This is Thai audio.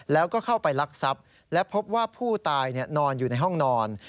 แล้วก็เข้าไปลักทรัพย์และพบว่าผู้ตายนอนอยู่ในห้องนอน